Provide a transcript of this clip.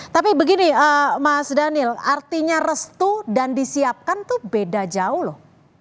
tapi begini mas daniel artinya restu dan disiapkan itu beda jauh loh